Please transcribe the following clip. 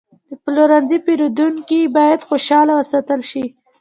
د پلورنځي پیرودونکي باید خوشحاله وساتل شي.